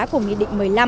của nghị định một mươi năm